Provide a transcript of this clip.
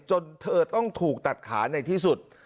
จนเธอต้องถูกตัดขาในที่สุด